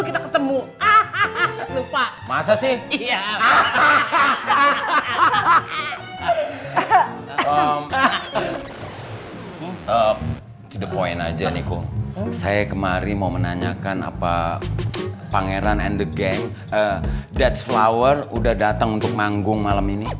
to the point aja nih kum saya kemarin mau menanyakan apa pangeran and the gang dead flower udah dateng untuk manggung malam ini